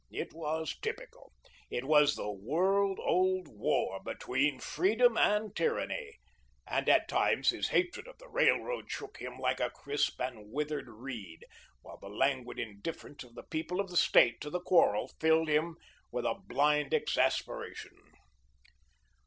It was typical. It was the world old war between Freedom and Tyranny, and at times his hatred of the railroad shook him like a crisp and withered reed, while the languid indifference of the people of the State to the quarrel filled him with a blind exasperation.